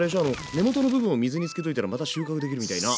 根元の部分を水につけといたらまた収穫できるみたいな。